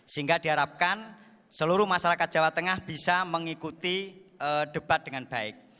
sehingga diharapkan seluruh masyarakat jawa tengah bisa mengikuti debat dengan baik